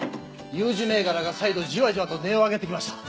有事銘柄が再度じわじわと値を上げてきました！